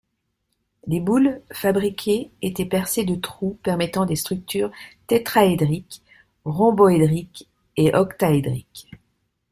Les boules fabriquées étaient percées de trous permettant des structures tétraédriques, rhomboédriques et octaédriques.